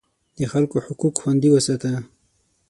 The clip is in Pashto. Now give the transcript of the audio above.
د خلکو حقوق خوندي وساته.